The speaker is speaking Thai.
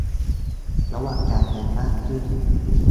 ระวังการเงินมากขึ้น